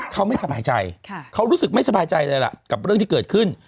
เขาไม่สบายใจเขารู้สึกไม่สบายใจเลยล่ะกับเรื่องที่เกิดขึ้น